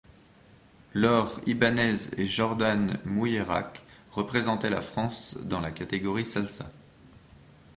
Laure Ibanez et Jordan Mouillerac représentaient la France dans la catégorie salsa.